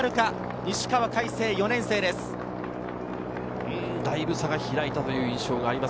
西川魁星・４年生です。